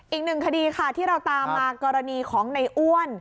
อีกหนึ่งคดีค่ะที่เราตามมากรณีของในอ้วน